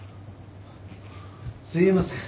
すいません。